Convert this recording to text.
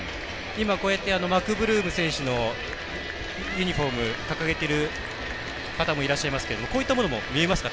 今、こうやってマクブルーム選手のユニフォームを掲げてる方もいらっしゃいますけれどもこういったものも見えますか？